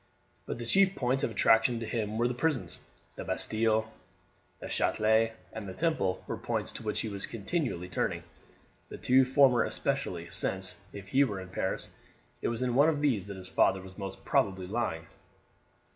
But the chief points of attraction to him were the prisons. The Bastille, the Chatelet, and the Temple were points to which he was continually turning; the two former especially, since, if he were in Paris, it was in one of these that his father was most probably lying.